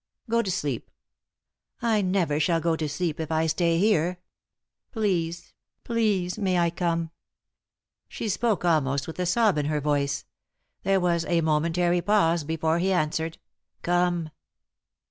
Go to sleep." " I never shall go to sleep if I stay here. Please please may I come ?" She spoke almost with a sob in her voice. There was a momentary pause before he answered. " Come."